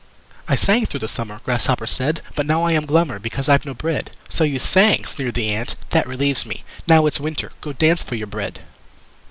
"I sang through the summer," Grasshopper said. "But now I am glummer Because I've no bread." "So you sang!" sneered the Ant. "That relieves me. Now it's winter go dance for your bread!"